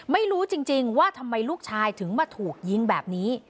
ไม่รู้จริงว่าทำไมลูกชายถึงมาถูกยิงแบบนี้